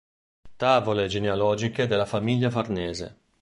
Tavole genealogiche della famiglia Farnese